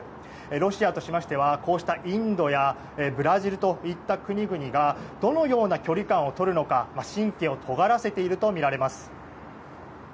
ロシアとしては、こうしたインドやブラジルなどの国々がどのような距離感をとるのか神経をとがらせているとみられます。